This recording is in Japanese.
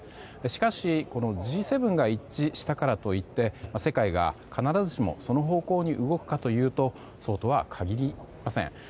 しかし、Ｇ７が一致したからといって世界が必ずしもその方向に動くかというとそうとは限りません。